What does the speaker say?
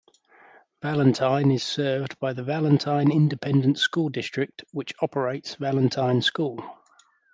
Valentine is served by the Valentine Independent School District which operates Valentine School.